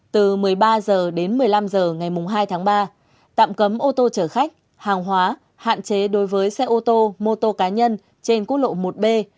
từ một mươi ba h đến một mươi năm h ngày hai tháng ba tạm cấm ô tô chở khách hàng hóa hạn chế đối với xe ô tô mô tô cá nhân trên quốc lộ một b